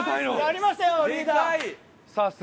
やりましたよリーダー！